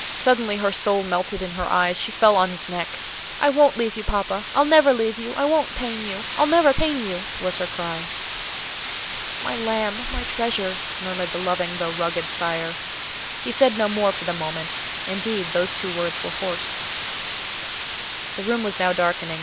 Suddenly her soul melted in her eyes; she fell on his neck:—"I won't leave you, papa; I'll never leave you. I won't pain you! I'll never pain you!" was her cry. "My lamb! my treasure!" murmured the loving though rugged sire. He said no more for the moment; indeed, those two words were hoarse. The room was now darkening.